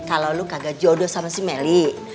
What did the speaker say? kalo lu kagak jodoh sama si meli